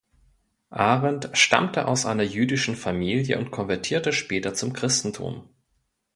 Arendt stammte aus einer jüdischen Familie und konvertierte später zum Christentum.